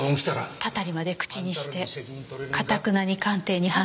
たたりまで口にして頑なに鑑定に反対した。